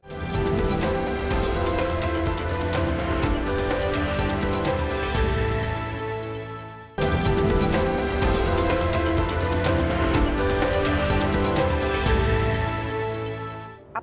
jadi saya juga bisa menyampaikan saran ke bapak